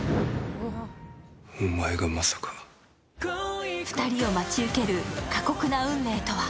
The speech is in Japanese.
お前がまさか２人を待ち受ける過酷な運命とは？